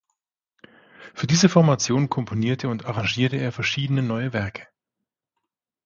Für diese Formation komponierte und arrangierte er verschiedene neue Werke.